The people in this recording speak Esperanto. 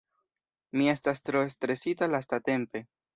Mi estas tro stresita lastatempe